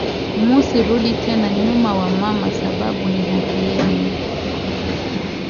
Musi rudi tena nyuma wa mama sababu ni haki yenu